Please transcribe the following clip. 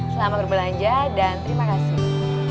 selamat berbelanja dan terima kasih